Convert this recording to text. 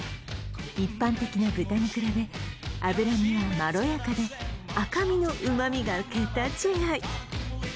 一般的な豚に比べ脂身がまろやかで赤身の旨みが桁違い！